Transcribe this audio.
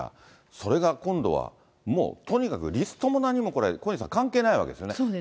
それが今度はもう、とにかくリストも何も、これ、小西さん、関係ないわけですよね。